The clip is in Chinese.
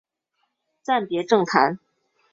暂别政坛。